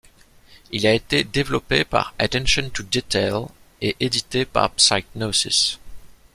Il a été développé par Attention to Detail et édité par Psygnosis.